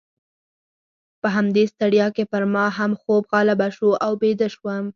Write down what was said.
په همدې ستړیا کې پر ما هم خوب غالبه شو او بیده شوم.